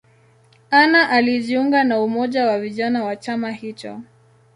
Anna alijiunga na umoja wa vijana wa chama hicho.